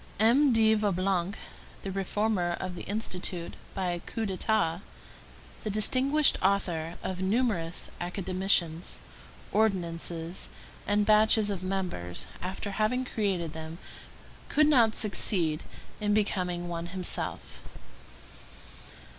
M. de Vaublanc, the reformer of the Institute by a coup d'état, the distinguished author of numerous academicians, ordinances, and batches of members, after having created them, could not succeed in becoming one himself.